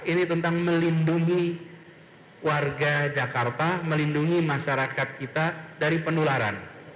ini tentang melindungi warga jakarta melindungi masyarakat kita dari penularan